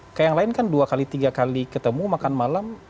kayak yang lain kan dua kali tiga kali ketemu makan malam